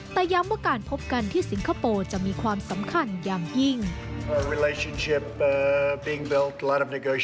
แต่ย้ำว่าการพบกันที่สิงคโปร์จะมีความสำคัญอย่างยิ่ง